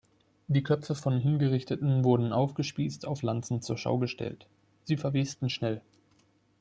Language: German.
Die Köpfe von Hingerichteten wurden aufgespießt auf Lanzen zur Schau gestellt; sie verwesten schnell.